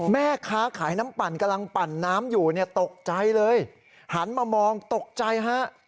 แม่ค้าขายน้ำปั่นกำลังปั่นน้ำอยู่เนี่ยตกใจเลยหันมามองตกใจฮะ